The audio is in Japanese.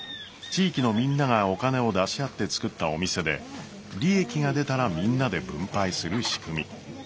地域のみんながお金を出し合って作ったお店で利益が出たらみんなで分配する仕組み。